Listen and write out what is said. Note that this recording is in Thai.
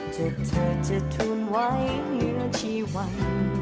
เธอเธอจะทุนไว้เหนือชีวัน